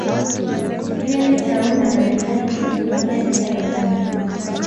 Keneth Kaunda na wenzake kutokea taifa La Zambia